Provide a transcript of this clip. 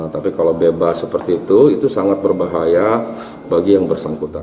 tapi kalau bebas seperti itu itu sangat berbahaya bagi yang bersangkutan